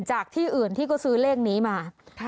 จากที่อื่นที่ก็ซื้อเลขนี้มา